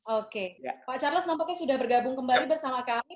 oke pak charles nampaknya sudah bergabung kembali bersama kami